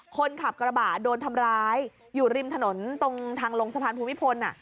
คนขับกระบะโดนทำร้ายอยู่ริมถนนตรงทางลงสะพานภูมิพล